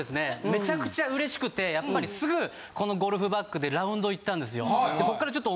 めちゃくちゃ嬉しくてすぐこのゴルフバッグでラウンド行ったんですよ。